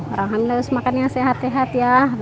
orang hamil harus makan yang sehat sehat ya